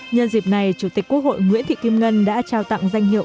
nhân dịp này chủ tịch quốc hội nguyễn thị kim ngân đã trao tặng danh hiệu